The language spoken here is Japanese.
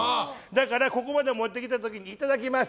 だから、ここまで持ってきた時にいただきます！